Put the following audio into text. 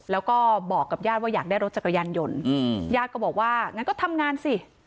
แล้วก็บอกกับญาติว่าอยากได้รถจักรยานยนต์ญาติก็บอกว่างั้นก็ทำงานสิ